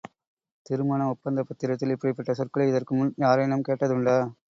திருமண ஒப்பந்தப் பத்திரத்தில் இப்படிப்பட்ட சொற்களை இதற்கு முன் யாரேனும் கேட்டதுன்டா?